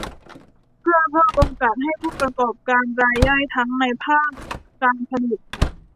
เพื่อเพิ่มโอกาสให้ผู้ประกอบการรายย่อยทั้งในภาคการผลิต